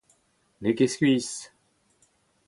N’eo ket skuizh.